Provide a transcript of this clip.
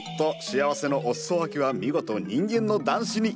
幸せのお裾分けは見事人間の男子に！